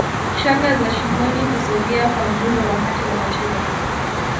Shanga za shingoni husogea kwa mdundo wakati wanacheza